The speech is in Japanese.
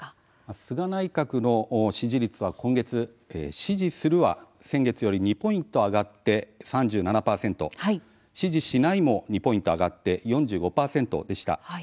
菅内閣の支持率は今月、支持するは先月より２ポイント上がって３７％支持しないも２ポイント上がって４５％でした。